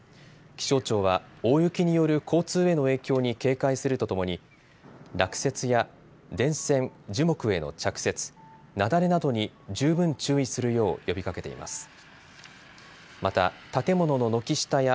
気象庁は大雪による交通への影響に警戒するとともに落雪や電線、樹木への着雪雪崩などに十分注意するよう呼びかけています。